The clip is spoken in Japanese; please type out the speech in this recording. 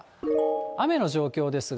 雨の状況ですが。